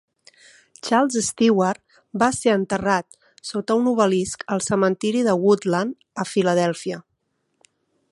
Charles Stewart va ser enterrat sota un obelisc al cementiri de Woodland, a Filadèlfia.